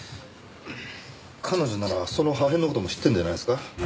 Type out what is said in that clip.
彼女ならその破片の事も知ってるんじゃないですか？